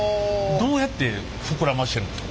どうやって膨らませてるんですか？